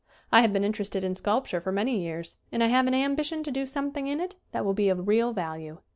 I have been interested in sculpture for many years, and I have an ambi tion to do something in it that will be of real value.